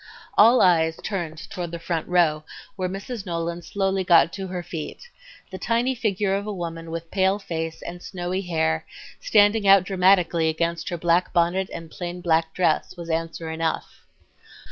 All eyes turned toward the front row, where Mrs. Nolan slowly got to her feet. The tiny figure of a woman with pale face and snowy hair, standing out dramatically against her black bonnet and plain black dress, was answer enough.